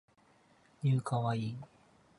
new kawaii